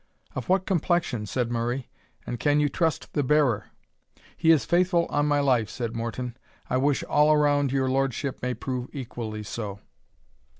"Of what complexion?" said Murray, "and can you trust the bearer?" "He is faithful, on my life," said Morton; "I wish all around your Lordship may prove equally so."